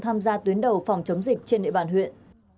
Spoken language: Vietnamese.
tham gia tuyến đầu phòng chống dịch trên địa bàn huyện